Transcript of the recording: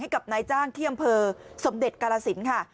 กับนายจ้างที่อำเภอสมเด็จกาลสินค่ะ